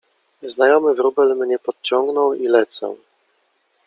Znajomy wróbel mnie podciągnął i lecę.